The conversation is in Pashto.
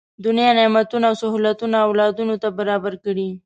دنیا نعمتونه او سهولتونه اولادونو ته برابر کړي.